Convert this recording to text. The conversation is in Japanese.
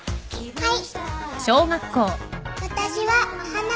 はい。